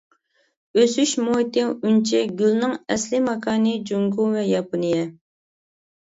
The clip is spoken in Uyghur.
ئۆسۈش مۇھىتى ئۈنچە گۈلنىڭ ئەسلىي ماكانى جۇڭگو ۋە ياپونىيە.